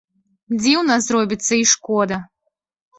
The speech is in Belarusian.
Дзіўна зробіцца й шкода.